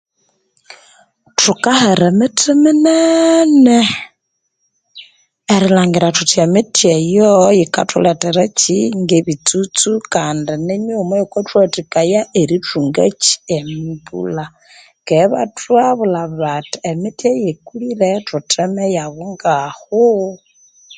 Thukahera emithi minenee, erilhangira thuthi emithi eyo yika thulethera Kyi? ngebitsutsu. Kandi nimighuma eyikathuwathikaya erithunga akyi? embulha, keghe ibathuhabulha bathi, emithi eyikulire thutheme ya bungaho.